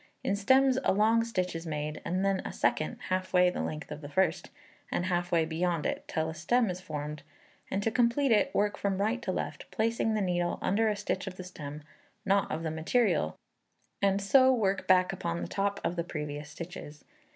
In stems a long stitch is made, and then a second halfway the length of the first, and half way beyond it, till a stem is formed; and to complete it work from right to left, placing the needle under a stitch of the stem, not of the material, and so work back upon the top of the previous stitches.